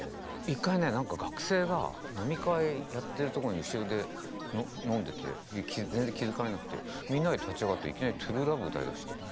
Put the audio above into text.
一回ね学生が飲み会やってるとこに後ろで飲んでて全然気付かれなくてみんなで立ち上がっていきなり「ＴＲＵＥＬＯＶＥ」を歌いだして。